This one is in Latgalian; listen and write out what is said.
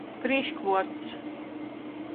Prīškvuords.